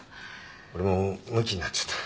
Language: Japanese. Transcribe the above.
俺もむきになっちゃった。